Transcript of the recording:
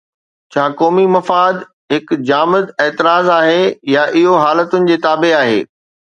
ڇا قومي مفاد هڪ جامد اعتراض آهي يا اهو حالتن جي تابع آهي؟